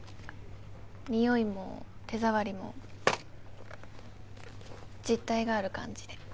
においも手触りも実体がある感じで。